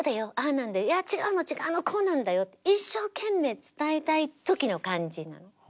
なんだよいや違うの違うのこうなんだよって一生懸命伝えたい時の感じ。